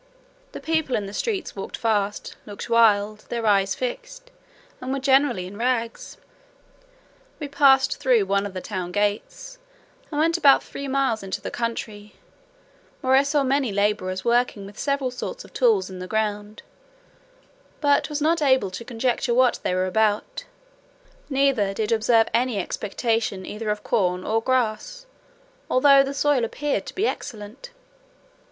The people in the streets walked fast, looked wild, their eyes fixed, and were generally in rags. We passed through one of the town gates, and went about three miles into the country, where I saw many labourers working with several sorts of tools in the ground, but was not able to conjecture what they were about; neither did I observe any expectation either of corn or grass, although the soil appeared to be excellent.